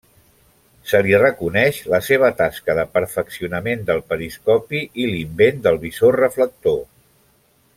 Se li reconeix la seva tasca de perfeccionament del periscopi i l'invent del visor reflector.